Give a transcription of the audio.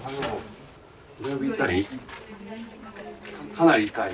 かなり痛い？